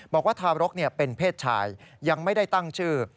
บอกว่าทารกเป็นเพศชายยังไม่ได้ตั้งชื่อ